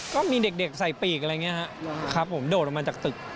ก็มีเด็กใส่ปีกอะไรอย่างนี้ครับผมโดดออกมาจากตึก